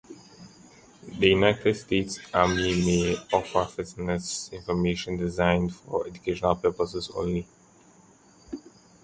The United States Army may offer fitness information designed for educational purposes only.